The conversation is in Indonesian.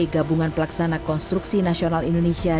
gabungan pelaksana konstruksi nasional indonesia